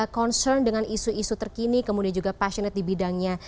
concern dengan isu isu terkini kemudian juga passionate di bidangnya